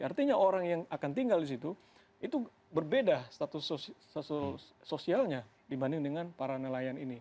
artinya orang yang akan tinggal di situ itu berbeda status sosialnya dibanding dengan para nelayan ini